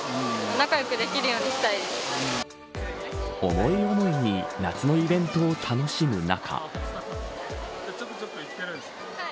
思い思いに夏のイベントを楽しむ中。